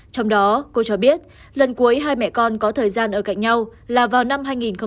trong đó cô cho biết lần cuối hai mẹ con có thời gian ở cạnh nhau là vào năm hai nghìn một mươi